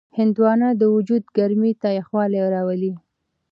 هندوانه د وجود ګرمۍ ته یخوالی راولي.